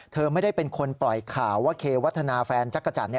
เธอไม่ได้เป็นคนปล่อยข่าวว่าเควัฒนาแฟนจักรจันทร์